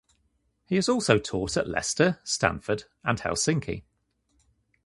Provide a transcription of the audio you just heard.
He has also taught at Leicester, Stanford, and Helsinki.